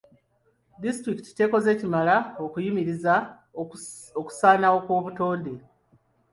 Disitulikiti tekoze kimala okuyimiriza okusaanawo kw'obutonde.